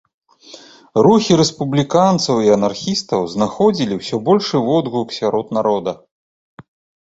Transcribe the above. Рухі рэспубліканцаў і анархістаў знаходзілі ўсё большы водгуку сярод народа.